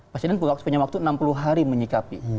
presiden punya waktu enam puluh hari menyikapi